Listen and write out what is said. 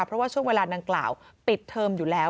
เพราะว่าช่วงเวลาดังกล่าวปิดเทอมอยู่แล้ว